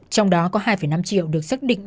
trong đó có hai năm triệu được xác định